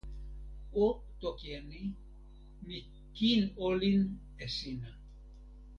o toki e ni: mi kin olin e sina.